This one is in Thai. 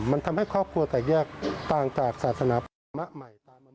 มันทำให้ครอบครัวแตกแยกต่างจากศาสนาพระธรรมะใหม่